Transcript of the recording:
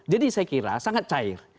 saya kira sangat cair